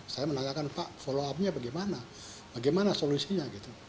saya menanyakan pak follow up nya bagaimana bagaimana solusinya gitu